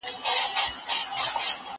زه به سبا زده کړه کوم!!